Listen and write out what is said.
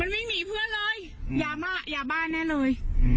ไม่มีเพื่อนเลยยาบ้านแน่เลย